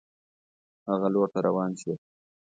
هغه لور ته روان شول.